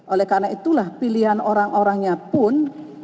oleh karena itulah pilihan orang orangnya pun